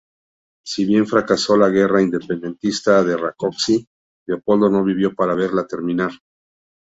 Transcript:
Si bien fracasó la guerra independentista de Rákóczi, Leopoldo no vivió para verla terminar.